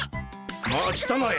待ちたまえ！